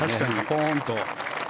コーンと。